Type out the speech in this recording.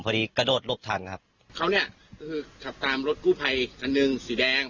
พอดีกระโดดหลบทันครับเขาเนี่ยก็คือขับตามรถกู้ภัยคันหนึ่งสีแดง